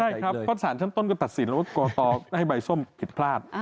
ใช่ครับเพราะสารชั้นต้นก็ตัดสินแล้วว่ากรกตให้ใบส้มผิดพลาด